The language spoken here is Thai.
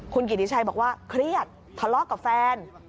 คุณกิติชัยบอกว่าเครียดทะเลาะกับแฟน